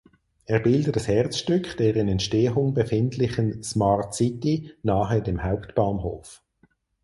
Er bildet das Herzstück der in Entstehung befindlichen Smart City nahe dem Hauptbahnhof.